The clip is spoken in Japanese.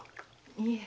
いえ。